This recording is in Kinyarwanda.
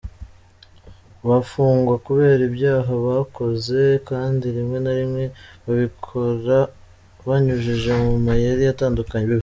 Bafungwa kubera ibyaha bakoze kandi rimwe na rimwe babikora banyujije mu mayeri atandukanye.